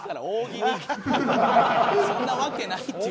そんなわけないっていう。